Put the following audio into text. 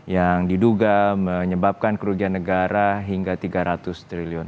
yang diduga menyebabkan kerugian negara hingga tiga ratus triliun